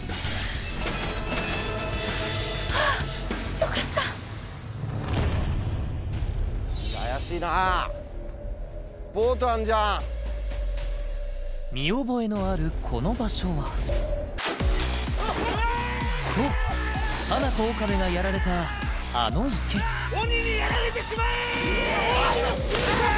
よかった見覚えのあるこの場所はそうハナコ・岡部がやられたあの池鬼にやられてしまえー！